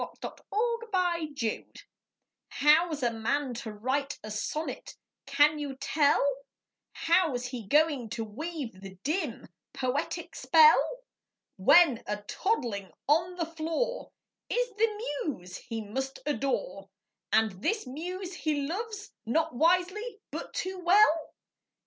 THE POET AND THE BABY How's a man to write a sonnet, can you tell, How's he going to weave the dim, poetic spell, When a toddling on the floor Is the muse he must adore, And this muse he loves, not wisely, but too well?